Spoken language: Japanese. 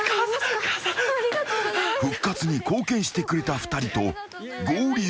［復活に貢献してくれた２人と合流］